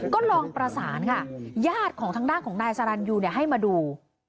ก็ลองประสานค่ะญาติของทางด้านของนายสรรยูให้มาดู